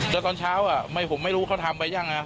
แล้วตอนเช้าผมไม่รู้เขาทำไปยัง